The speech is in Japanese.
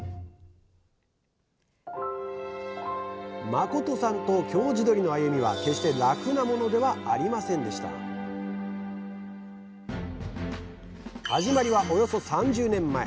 誠さんと京地どりの歩みは決して楽なものではありませんでした始まりはおよそ３０年前。